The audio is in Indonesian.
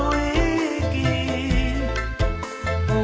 kau aku ingin